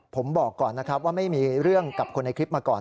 ผมบอกก่อนนะครับว่าไม่มีเรื่องกับคนในคลิปมาก่อน